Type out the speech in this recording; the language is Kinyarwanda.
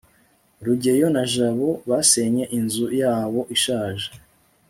rugeyo na jabo basenye inzu yabo ishaje